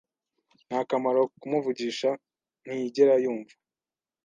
Nta kamaro kumuvugisha. Ntiyigera yumva.